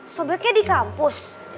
sobeknya di kampus